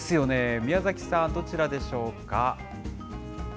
宮崎さん、どちらでしょうか。